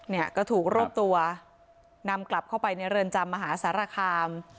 เนี่ยก็ถูกรวบตัวนำกลับเข้าไปในเรือนจำมหาสารคาม